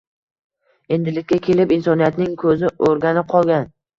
Endilikka kelib insoniyatning “ko‘zi o‘rganib qolgan”